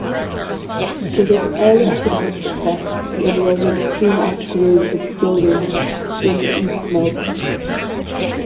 With its early academic success, the enrolment soon outgrew its buildings in East Melbourne.